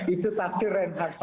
itu takdir dan takdir